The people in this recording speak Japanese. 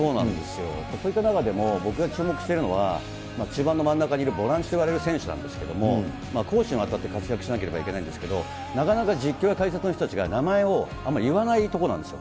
こういったなかでもぼくがちゅうもくしているのは中盤の真ん中にいるボランチといわれる選手なんですけれども、攻守にわたって活躍しなければいけないんですけど、なかなか実況や解説の人たちが、名前をあんまり言わないところなんですよ。